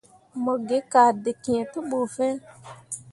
Mo gi kaa dǝkǝ te ɓu fiŋ.